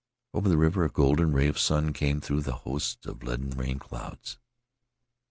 Over the river a golden ray of sun came through the hosts of leaden rain clouds.